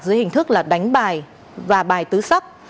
dưới hình thức là đánh bài và bài tứ sắc